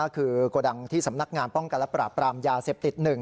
คือโกดังที่สำนักงานป้องกันและปราบปรามยาเสพติด๑